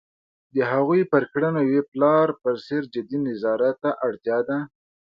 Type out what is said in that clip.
د هغوی پر کړنو یوې پلار په څېر جدي نظارت ته اړتیا ده.